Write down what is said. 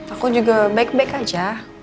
aku juga baik baik aja